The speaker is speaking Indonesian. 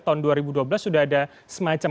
tahun dua ribu dua belas sudah ada semacam